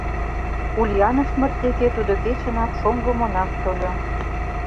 Ульяновмыт деке тудо кечынак шоҥго монах тольо.